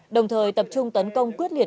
đồng thời tập trung tấn công quyết liệt